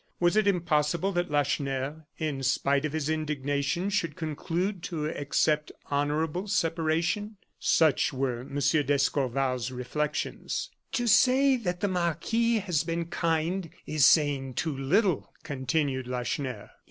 Was it impossible that Lacheneur, in spite of his indignation, should conclude to accept honorable separation? Such were M. d'Escorval's reflections. "To say that the marquis has been kind is saying too little," continued Lacheneur.